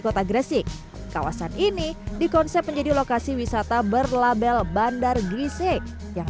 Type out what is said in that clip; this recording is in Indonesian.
kota gresik kawasan ini dikonsep menjadi lokasi wisata berlabel bandar gresik yang